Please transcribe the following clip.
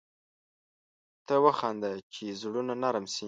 ته وخانده چي زړونه نرم شي